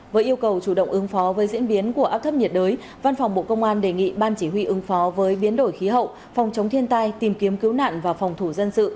với yêu cầu chủ động ứng phó với diễn biến của áp thấp nhiệt đới văn phòng bộ công an đề nghị ban chỉ huy ứng phó với biến đổi khí hậu phòng chống thiên tai tìm kiếm cứu nạn và phòng thủ dân sự